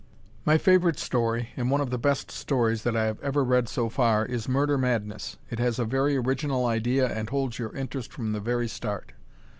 My favorite story, and one of the best stories that I have ever read so far, is "Murder Madness." It has a very original idea and holds your interest from the very start.